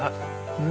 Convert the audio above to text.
うん？